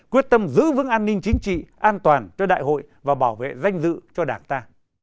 quyết tâm giữ vững an ninh chính trị an toàn cho đại hội và bảo vệ danh dự cho đảng ta